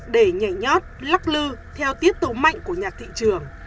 để nhảy nhót lắc lư theo tiết tấu mạnh của nhạc thị trường